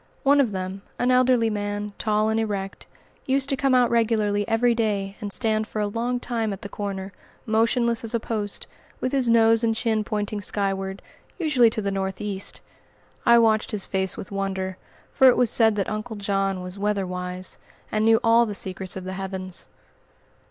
One of them, an elderly man, tall and erect, used to come out regularly every day, and stand for a long time at the corner, motionless as a post, with his nose and chin pointing skyward, usually to the northeast. I watched his face with wonder, for it was said that "Uncle John" was "weatherwise," and knew all the secrets of the heavens.